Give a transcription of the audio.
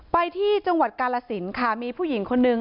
ไปที่จังหวัดกาลสินค่ะมีผู้หญิงคนนึง